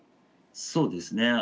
そうですね。